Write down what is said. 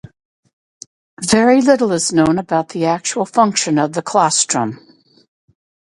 Very little is known about the actual function of the claustrum.